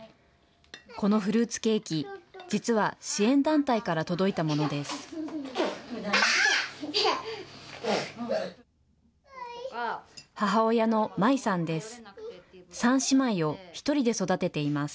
このフルーツケーキ、実は支援団体から届いたものです。